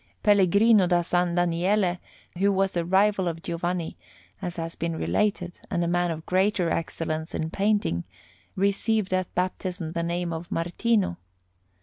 Pellegrino da San Daniele, who was a rival of Giovanni, as has been related, and a man of greater excellence in painting, received at baptism the name of Martino.